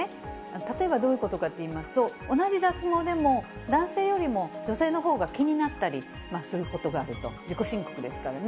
例えばどういうことかといいますと、同じ脱毛でも男性よりも、女性のほうが気になったりすることがあると、自己申告ですからね。